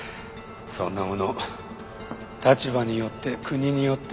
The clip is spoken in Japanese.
そんなもの立場によって国によって違う。